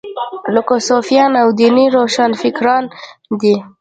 لکه صوفیان او دیني روښانفکران دي.